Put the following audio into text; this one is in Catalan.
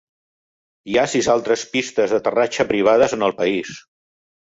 Hi ha sis altres pistes d'aterratge privades en el país.